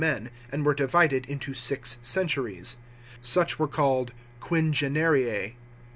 69 500 men, and were divided into six centuries ; such were called quin genarias.